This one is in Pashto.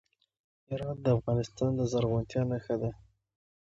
هرات د افغانستان د زرغونتیا نښه ده.